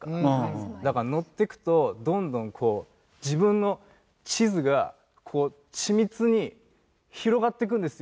だから乗っていくとどんどんこう自分の地図がこう緻密に広がっていくんですよ。